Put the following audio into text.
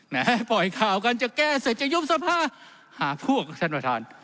ให้ปล่อยข่าวกันจะแก้เสร็จจะยุบสภาหาพวกท่านประธาน